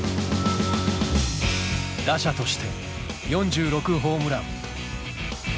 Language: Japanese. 打者として４６ホームラン。